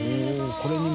これにも。